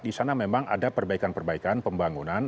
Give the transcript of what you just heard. di sana memang ada perbaikan perbaikan pembangunan